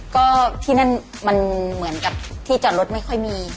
ก็ที่นั่นมันเหมือนกับที่จอดรถไม่ค่อยมี